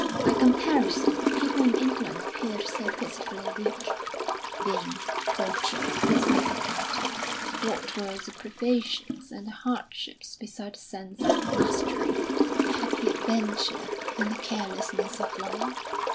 By comparison, people in England appeared so pitifully weak, vain, paltry, insignificant. What were the privations and the hardships beside the sense of mastery, the happy adventure, and the carelessness of life?